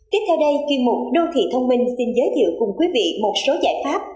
tiếp theo đây chuyên mục đô thị thông minh xin giới thiệu cùng quý vị một số giải pháp